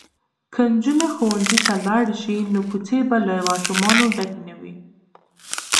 که نجونې ښوونځي ته لاړې شي نو کوڅې به له ماشومانو ډکې نه وي.